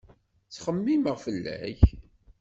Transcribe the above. Ttxemmimeɣ fell-ak.